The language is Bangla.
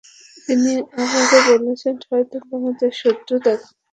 তিনি আরও বলেছেন, শয়তান তোমাদের শত্রু, তাকে শত্রু হিসেবেই গ্রহণ করো।